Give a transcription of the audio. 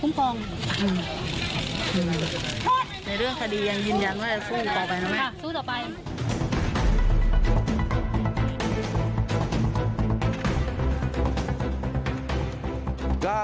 ก็ตอบได้คำเดียวนะครับ